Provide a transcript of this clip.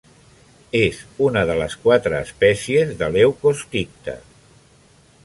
És una de les quatre espècies de Leucosticte.